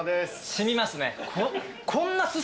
染みますね。